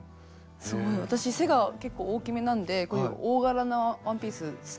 すごい私背が結構大きめなんでこういう大柄なワンピースうんうん。